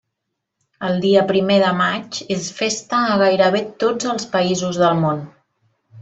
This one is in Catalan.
El dia primer de maig és festa a gairebé tots els països del món.